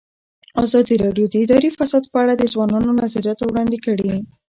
ازادي راډیو د اداري فساد په اړه د ځوانانو نظریات وړاندې کړي.